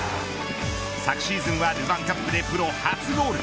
昨シーズンはルヴァンカップでプロ初ゴール。